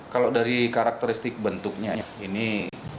kalau dari karakteristik bentuknya ini pentilon ini berbeda